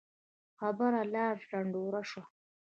خبره لاړه ډنډوره شوه.